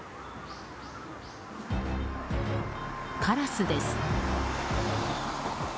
カラスです。